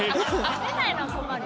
出ないのは困る。